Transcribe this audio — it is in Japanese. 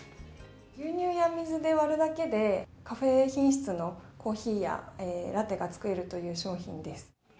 牛乳や水で割るだけで、カフェ品質のコーヒーやラテが作れるという商品です。